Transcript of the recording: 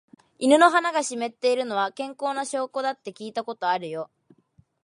犬の鼻が湿っているのは、健康な証拠だって聞いたことあるよ。